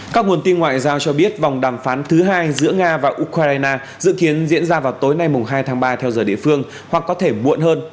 các nguồn tin ngoại giao cho biết vòng đàm phán thứ hai giữa nga và ukraine dự kiến diễn ra vào tối nay hai tháng ba theo giờ địa phương hoặc có thể muộn hơn